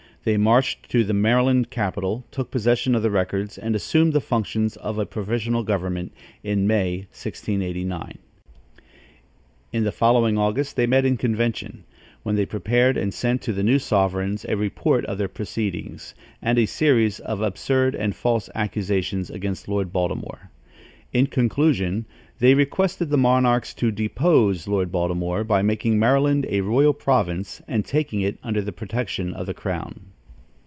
They marched to the Maryland capital, took possession of the records and assumed the functions of a provisional government, in May, 1689. In the following August they met in convention, when they prepared and sent to the new sovereigns a report of their proceedings, and a series of absurd and false accusations against Lord Baltimore. In conclusion, they requested the monarchs to depose Lord Baltimore by making Maryland a royal province and taking it under the protection of the crown.